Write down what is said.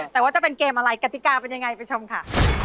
แต่ว่าจะเป็นเกมอะไรกติกาเป็นยังไงไปชมค่ะ